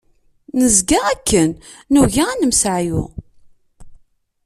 Nezga akken, nugi ad nemseɛyu.